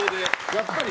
やっぱり？